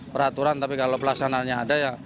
peraturan tapi kalau pelaksanaannya ada ya